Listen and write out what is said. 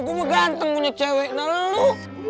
gua mah ganteng punya cewek nah lu